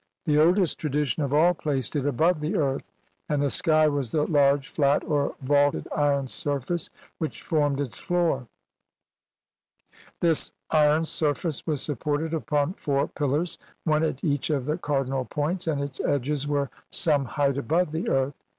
The oldest tradition of all placed it above the earth, and the sky was the large flat or vaulted iron surface which formed its floor; this iron surface was supported upon four pillars, one at each of the cardinal points, and its edges were some height above the earth.